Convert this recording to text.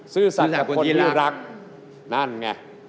ซื่อสัตว์กับคนที่น่ารักนั่นไง